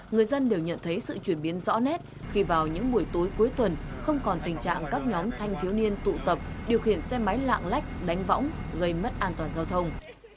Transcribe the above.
người dân đều nhận thấy sự chuyển biến rõ nét khi vào những buổi tối cuối tuần không còn tình trạng các nhóm thanh thiếu niên tụ tập điều khiển xe máy lạng lách đánh võng gây mất an toàn giao thông